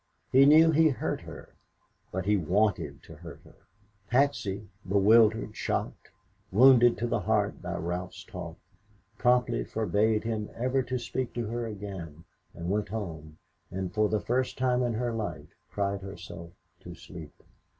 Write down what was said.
He knew he hurt her, but he wanted to hurt her! Patsy bewildered, shocked, wounded to the heart by Ralph's talk promptly forbade him ever to speak to her again and went home and for the first time in her life cried herself to sleep.